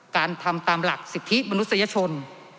การทำตามหลักสิทธิมนุษยชน